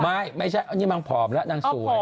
ไม่ไม่ใช่อันนี้มันผอมแล้วนั่งสวย